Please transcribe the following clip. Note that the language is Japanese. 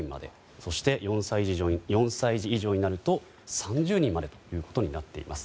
そして、４歳児以上になると３０人までとなっています。